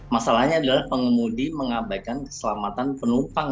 masalahnya adalah pengemudi mengabaikan keselamatan penumpang